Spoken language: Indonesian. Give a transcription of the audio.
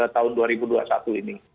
tahun dua ribu dua puluh satu ini